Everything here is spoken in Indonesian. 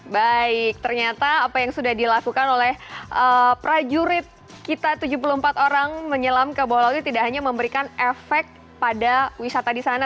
baik ternyata apa yang sudah dilakukan oleh prajurit kita tujuh puluh empat orang menyelam ke bawah laut tidak hanya memberikan efek pada wisata di sana